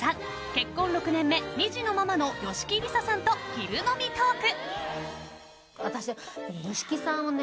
結婚６年目、２児のママの吉木りささんと昼飲みトーク！